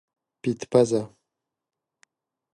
پیته پزه